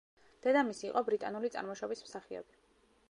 დედამისი იყო ბრიტანული წარმოშობის მსახიობი.